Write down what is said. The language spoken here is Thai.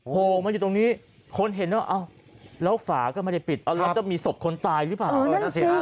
โพงมาอยู่ตรงนี้คนเห็นแล้วแล้วฝาก็ไม่ได้ปิดเราจะมีศพคนตายหรือเปล่านั่นสิ